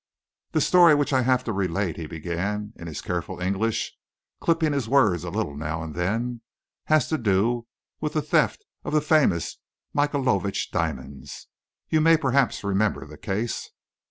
"The story which I have to relate," he began in his careful English, clipping his words a little now and then, "has to do with the theft of the famous Michaelovitch diamonds. You may, perhaps, remember the case."